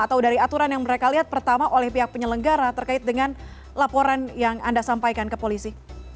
atau dari aturan yang mereka lihat pertama oleh pihak penyelenggara terkait dengan laporan yang anda sampaikan ke polisi